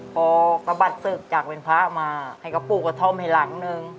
พอสะบัดศึกจากเป็นพระมาให้เขาปลูกกระท่อมให้หลังนึง